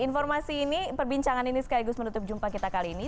informasi ini perbincangan ini sekaligus menutup jumpa kita kali ini